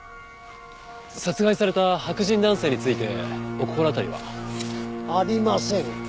殺害された白人男性についてお心当たりは？ありません。